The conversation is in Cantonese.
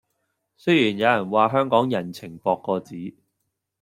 雖然有人話香港人情薄過紙